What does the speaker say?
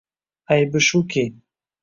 Aybi shuki…